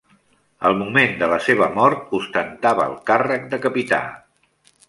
Al moment de la seva mort ostentava el càrrec de capità.